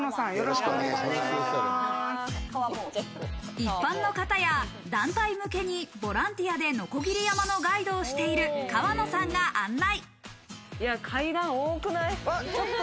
一般の方や団体向けにボランティアで鋸山のガイドをしている川野さんが案内。